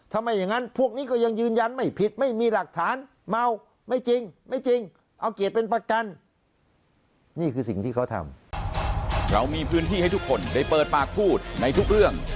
ทำไมอย่างนั้นพวกนี้ก็ยังยืนยันไม่ผิดไม่มีหลักฐานเมาไม่จริงไม่จริงเอาเกียรติเป็นประกัน